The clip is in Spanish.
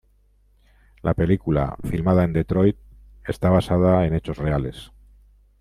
La película, filmada en Detroit, está basada en hechos reales.